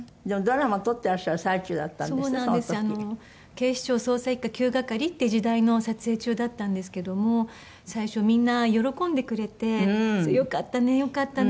『警視庁捜査一課９係』っていう時代の撮影中だったんですけども最初みんな喜んでくれて「よかったねよかったね」